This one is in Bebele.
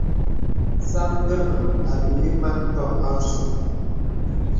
Sāŋ ngəməŋ àbīlí màn mpòk àsəŋ.